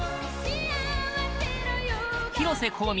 広瀬香美